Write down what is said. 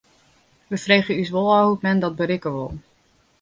We freegje ús wol ôf hoe't men dat berikke wol.